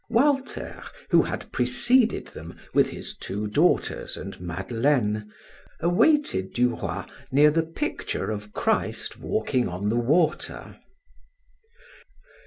Walter, who had preceded them, with his two daughters and Madeleine, awaited Du Roy near the picture of "Christ Walking on the Water."